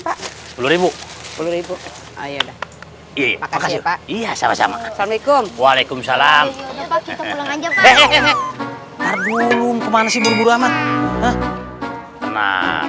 pak rp sepuluh rp sepuluh ayo dah iya sama sama assalamualaikum waalaikumsalam kita pulang aja